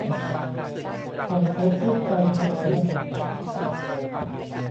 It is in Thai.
ปล่อยเธอพูดไปเถอะ เพื่อน